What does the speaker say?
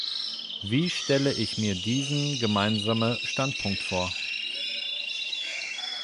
Wie stelle ich mir diesen gemeinsame Standpunkt vor?